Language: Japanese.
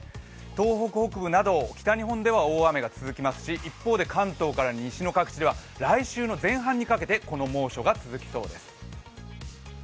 東北北部など北日本では大雨が続きますし、一方で関東から西の各地では来週の前半にかけてこの猛暑が続きそうです。